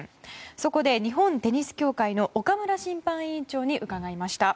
そこで日本テニス協会の岡村審判委員長に伺いました。